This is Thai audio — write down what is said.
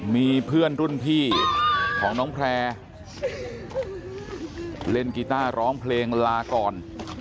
มีเพื่อนรุ่นพี่ของน้องแพร่เล่นกีต้าร้องเพลงลาก่อน